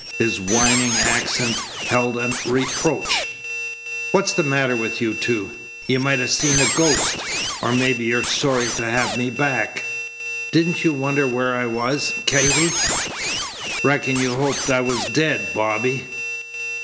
His whining accents held a reproach. "What's the matter with you two? You might 'a' seen a ghost. Or maybe you're sorry to have me back. Didn't you wonder where I was, Katy? Reckon you hoped I was dead, Bobby."